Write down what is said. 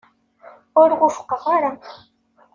Ur wufqeɣ ara.